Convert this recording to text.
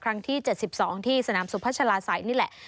ที่๗๒ที่สนามสุพัชลาศัยนี่แหละ